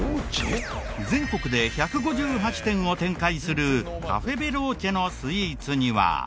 全国で１５８店を展開するカフェ・ベローチェのスイーツには。